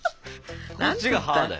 こっちが「はあ？」だよ。